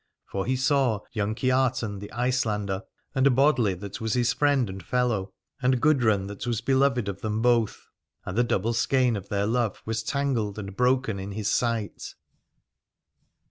For he saw young Kiartan the Icelander, and Bodli that was his friend and fellow, and Gudrun that was 274 Aladore beloved of them both : and the double skein of their love was tangled and broken in his sight.